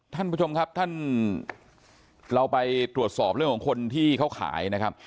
ท่านผู้ชมครับท่านเราไปตรวจสอบเรื่องของคนที่เขาขายนะครับ